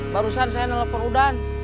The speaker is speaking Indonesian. barusan saya nelfon udan